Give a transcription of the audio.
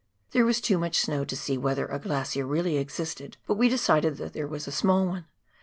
There was too much snow to see whether a glacier really existed, but we decided that there was a small one.